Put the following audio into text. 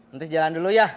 entis jalan dulu ya